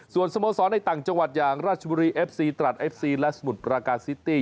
ส่วนสโมสรในต่างจังหวัดอย่างราชบุรีเอฟซีตรัสเอฟซีและสมุทรปราการซิตี้